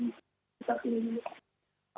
jadi untuk sementara masih dikandang banjir